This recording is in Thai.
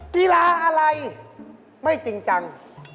กีฬาอะไรไม่จริงจัง